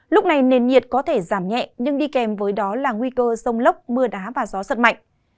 lúc này nền nhiệt có thể giảm nhẹ nhưng đi kèm với đó là nguy cơ rông lốc mưa đá và gió giật mạnh